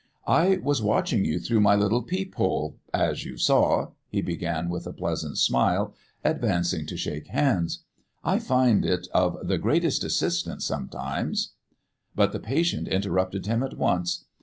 "I was watching you through my little peep hole as you saw," he began, with a pleasant smile, advancing to shake hands. "I find it of the greatest assistance sometimes " But the patient interrupted him at once.